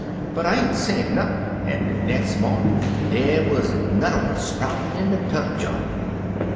But I ain't sayin' nothin', an' de nex' mawnin' dey wuz er n'er one sproutin' in de t'er jaw.